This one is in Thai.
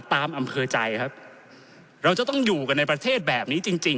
อำเภอใจครับเราจะต้องอยู่กันในประเทศแบบนี้จริงจริง